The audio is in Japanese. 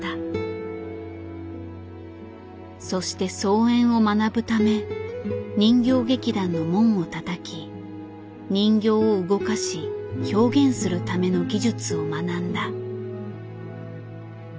そして操演を学ぶため人形劇団の門をたたき人形を動かし表現するための技術を学んだ。